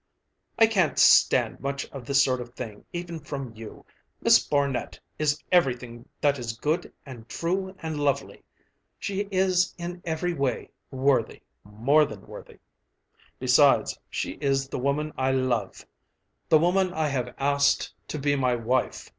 "I can't stand much of this sort of thing, even from you. Miss Barnet is everything that is good and true and lovely. She is in every way worthy more than worthy. Besides, she is the woman I love the woman I have asked to be my wife.